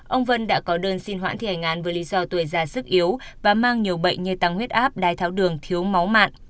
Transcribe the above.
ông vân đã có đơn xin hoãn thi hành án với lý do tuổi già sức yếu và mang nhiều bệnh như tăng huyết áp đai tháo đường thiếu máu mạng